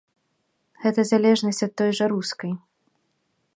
Гэта залежнасць ад той жа рускай.